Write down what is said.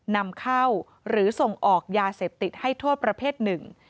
นำเข้าหรือส่งออกยาเสพติดให้โทษประเภทหนึ่ง